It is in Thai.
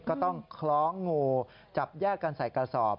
ก็ต้องคล้องงูจับแยกกันใส่กระสอบ